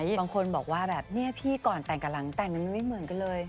บางคนบอกว่าแบบเนี่ยพี่ก่อนแต่งกับหลังแต่งมันไม่เหมือนกันเลย